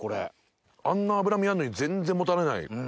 あんな脂身あんのに全然もたれない。